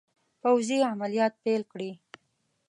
پوځي عملیات پیل کړي.